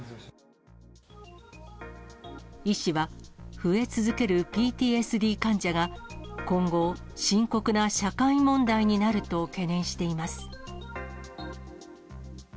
医師は、増え続けるＰＴＳＤ患者が今後、深刻な社会問題になると懸念しています。